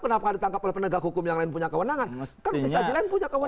kenapa gak ditangkap oleh penegak hukum yang lain punya kewenangan